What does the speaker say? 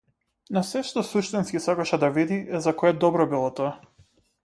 Но сѐ што суштински сакаше да види е за кое добро било тоа.